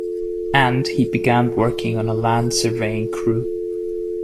And, he began working on a land surveying crew.